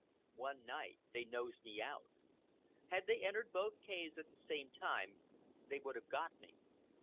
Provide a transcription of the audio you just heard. One night they nosed me out. Had they entered both caves at the same time they would have got me.